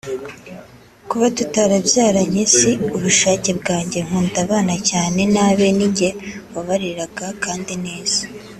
Kuba tutarabyaranye si ubushake bwanjye nkunda abana cyane n’abe ni jye wabareraga kandi neza